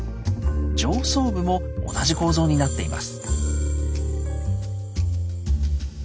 上層部も同じ構造になっています。